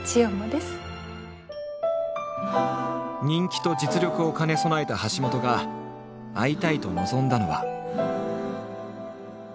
人気と実力を兼ね備えた橋本が会いたいと望んだのは。